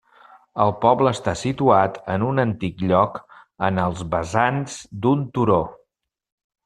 El poble està situat en un antic lloc en els vessants d'un turó.